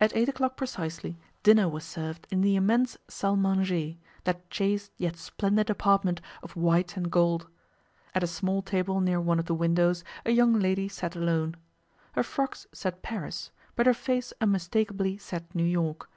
At eight o'clock precisely dinner was served in the immense salle manger, that chaste yet splendid apartment of white and gold. At a small table near one of the windows a young lady sat alone. Her frocks said Paris, but her face unmistakably said New York.